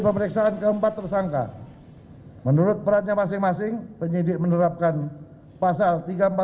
pemeriksaan keempat tersangka menurut perannya masing masing penyidik menerapkan pasal tiga ratus empat puluh